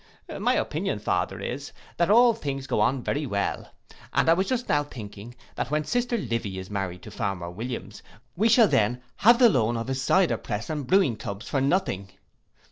'—'My opinion, father, is, that all things go on very well; and I was just now thinking, that when sister Livy is married to farmer Williams, we shall then have the loan of his cyder press and brewing tubs for nothing.